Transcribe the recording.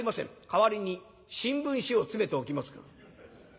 代わりに新聞紙を詰めておきますから」。